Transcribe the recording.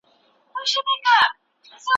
که مزدور يا مامور په غصه سي نتيجه ئې څه ده؟